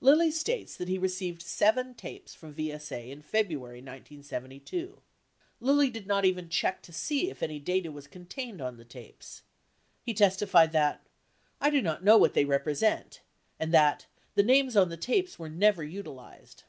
Lilly states that he received seven tapes from VSA in February, 1972. Lilly did not even check to see if any data was contained on the tapes. He testified that "I do not know what they represent," and that "[t]he names on the tapes ... were never utilized."